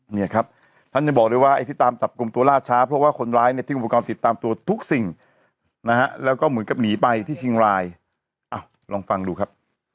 เนี่ยครับท่านยังบอกเลยว่าไอ้ที่ตามจับกลุ่มตัวล่าช้าเพราะว่าคนร้ายเนี่ยทิ้งอุปกรณ์ติดตามตัวทุกสิ่งนะฮะแล้วก็เหมือนกับหนีไปที่เชียงรายลองฟังดูครับ